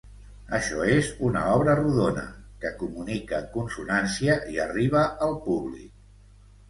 Així és una obra rodona, que comunica en consonància i arriba al públic.